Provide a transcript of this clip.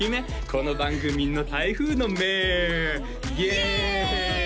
この番組の台風の目イエーイ！